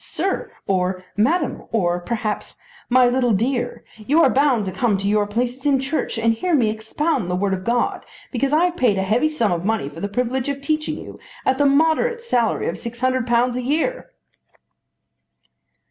'Sir,' or 'Madam,' or perhaps, 'my little dear,' you are bound to come to your places in Church and hear me expound the Word of God because I have paid a heavy sum of money for the privilege of teaching you, at the moderate salary of £600 a year!'"